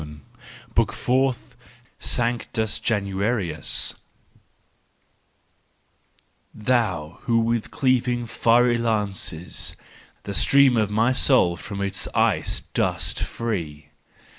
14 BOOK FOURTH SANCTUS JANUAR1US Thou who with cleaving fiery lances The stream of my soul from its ice dost free.